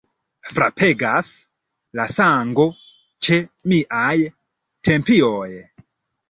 Frapegas la sango ĉe miaj tempioj.